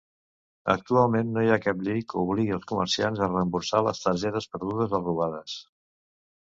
Actualment, no hi ha cap llei que obligui als comerciants a reemborsar les targetes perdudes o robades.